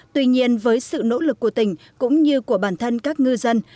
tuy nhiên với sự nỗ lực của tỉnh cũng như của bản thân các ngư dân